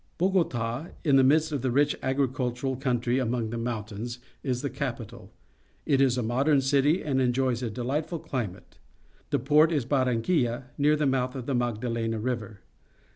— Bogota, in the midst of a rich agricultural countrj'^ among the mountains, is the capital. It is a modern city and enjoys a dehghtful chmate. Its port is Barranquilla, near the mouth of the Macjdalena River.